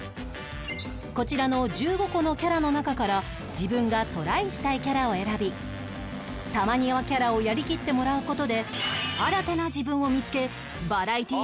こちらの１５個のキャラの中から自分がトライしたいキャラを選びたまにわキャラをやりきってもらう事で新たな自分を見つけバラエティ